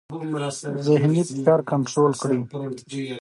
ذهني فشار کنټرول کړئ.